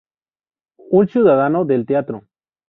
Un ciudadano del Teatro.